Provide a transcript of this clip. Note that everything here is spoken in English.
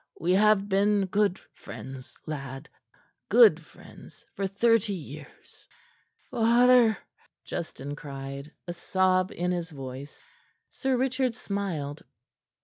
"We have been good friends, lad good friends for thirty years." "Father!" Justin cried, a sob in his voice. Sir Richard smiled.